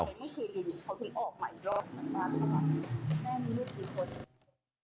ไม่คืออยู่ดิงเขาคือออกมาอีกรอบมากแม่มีนึกจีบคน